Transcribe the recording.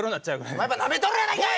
お前やっぱなめとるやないかい！